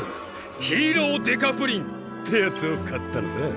ヒーロー刑事プリン」ってやつを買ったのさ。